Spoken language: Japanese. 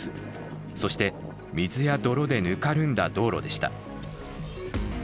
そして水や泥でぬかるんだ道路でした。